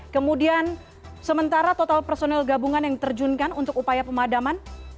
kemudian sementara total personel gabungan yang diterjunkan untuk upaya pemadaman